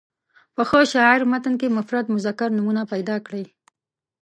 په ښه شاعر متن کې مفرد مذکر نومونه پیدا کړي.